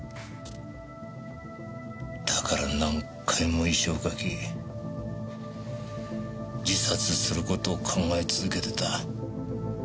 だから何回も遺書を書き自殺する事を考え続けてた。